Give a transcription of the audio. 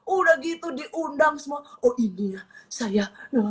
udah gitu diundang semua oh iya saya